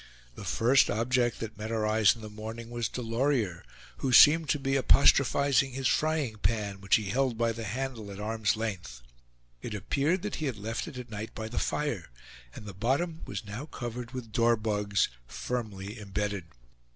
The first object that met our eyes in the morning was Delorier, who seemed to be apostrophizing his frying pan, which he held by the handle at arm's length. It appeared that he had left it at night by the fire; and the bottom was now covered with dorbugs, firmly imbedded.